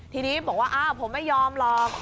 ทีนี้บอกว่าอ้าวผมไม่ยอมหรอก